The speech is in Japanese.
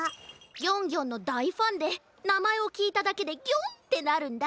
ギョンギョンのだいファンでなまえをきいただけでギョン！ってなるんだ。